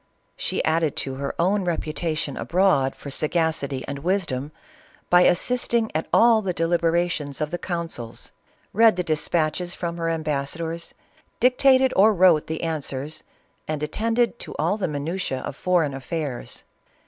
She added to C'.THKRIJCK OF UfSSIA. 418 her own reputation abroad for sagacity and wisdom, by assisting at all the delil>erations of the councils, read the despatches from her ambassadors, dictated or wrote the answers, and attended to all the minutia of foreign ttffairs.